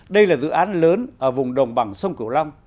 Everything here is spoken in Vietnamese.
đây là dự án lớn ở vùng đồng bằng sông cửu long